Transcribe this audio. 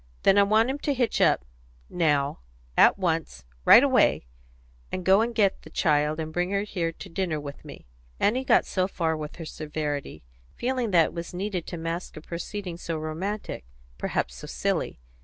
"Then I want him to hitch up now at once right away and go and get the child and bring her here to dinner with me." Annie got so far with her severity, feeling that it was needed to mask a proceeding so romantic, perhaps so silly.